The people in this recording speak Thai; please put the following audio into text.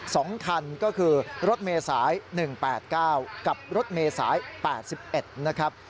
สองคันก็คือรถเมสสาย๑๘๙กับรถเมสสาย๘๑นะครับ